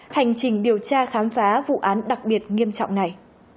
hành trình điều tra khám phá vụ án đặc biệt nghiêm trọng này